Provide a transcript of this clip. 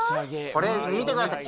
これ見てください